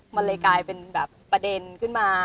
มันเลยกลายเป็นแบบประเด็นขึ้นมา